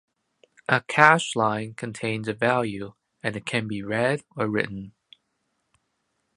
A cache line contains a value, and it can be read or written.